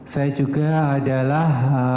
saya juga adalah